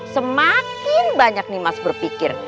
semakin banyak nimas berpikir